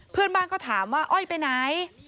เพื่อนบ้านก็ถามว่าอ้อยไปไหน